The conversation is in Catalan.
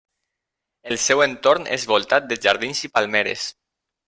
El seu entorn és voltat de jardins i palmeres.